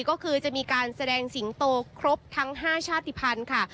ก็คือจะมีการแสดงสิงโตครบทั้ง๕ชาติภัณฑ์ค่ะ